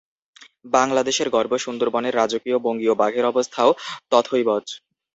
বাংলাদেশের গর্ব সুন্দরবনের রাজকীয় বঙ্গীয় বাঘের অবস্থাও তথৈবচ।